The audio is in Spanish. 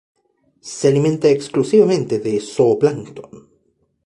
Se alimenta exclusivamente de zooplancton.